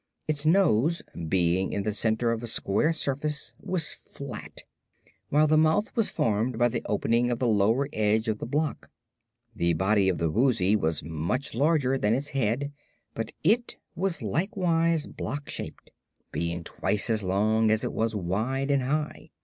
Its nose, being in the center of a square surface, was flat, while the mouth was formed by the opening of the lower edge of the block. The body of the Woozy was much larger than its head, but was likewise block shaped being twice as long as it was wide and high.